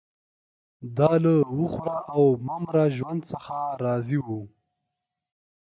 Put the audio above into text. دا له وخوره او مه مره ژوند څخه راضي وو